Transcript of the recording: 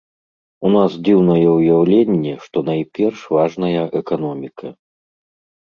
У нас дзіўнае ўяўленне, што найперш важная эканоміка.